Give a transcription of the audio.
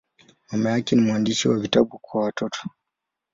Mama yake ni mwandishi wa vitabu kwa watoto.